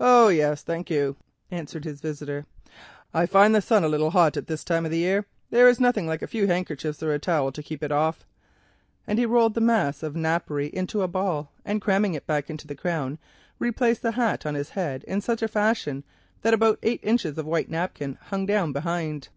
"Oh, yes, thank you," answered his visitor, "I find the sun a little hot at this time of the year. There is nothing like a few handkerchiefs or a towel to keep it off," and he rolled the mass of napery into a ball, and cramming it back into the crown, replaced the hat on his head in such a fashion that about eight inches of white napkin hung down behind.